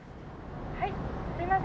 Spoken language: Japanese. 「はいすいません。